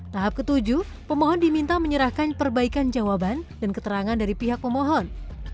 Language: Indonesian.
tahap ketujuh pemohon diminta menyerahkan perbaikan jawaban dan keterangan dari pihak pemohon